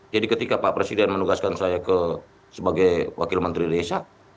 jadi ketika pak presiden menugaskan saya sebagai wakil menteri desa